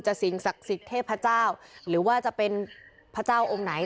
สิ่งศักดิ์สิทธิ์เทพเจ้าหรือว่าจะเป็นพระเจ้าองค์ไหน